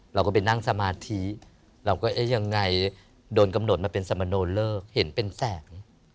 เราก็ไปนั่งสมาธิเราก็เอ๊ะยังไงโดนกำหนดมาเป็นสมโนเลิกเห็นเป็นแสง